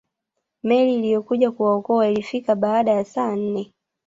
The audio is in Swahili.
Meli iliyokuja kuwaokoa ilifika baada ya saa nne